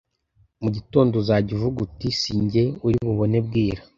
mu gitondo uzajya uvuga uti ‘si jye uri bubone bwira!,’